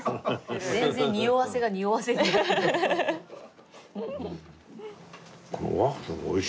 全然におわせがにおわせになってない。